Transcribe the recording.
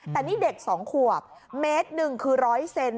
แต่นี่เด็ก๒ขวบเมตรหนึ่งคือ๑๐๐เซน